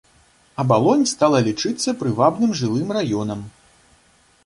Абалонь стала лічыцца прывабным жылым раёнам.